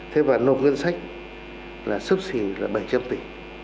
thế và nộp ngân sách là sấp xỉ là bảy trăm linh tỷ